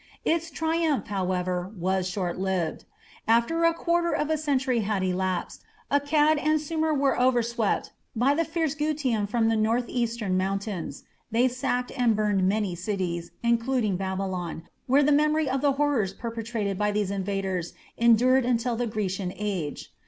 Its triumph, however, was shortlived. After a quarter of a century had elapsed, Akkad and Sumer were overswept by the fierce Gutium from the north eastern mountains. They sacked and burned many cities, including Babylon, where the memory of the horrors perpetrated by these invaders endured until the Grecian Age.